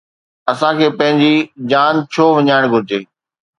اسان کي پنهنجي جان ڇو وڃائڻ گهرجي؟